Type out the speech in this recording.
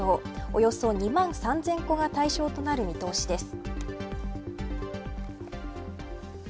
およそ２万３０００戸が対象となる見通しです。